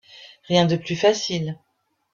Rien de plus facile.